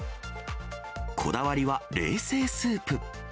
こだわりは冷製スープ。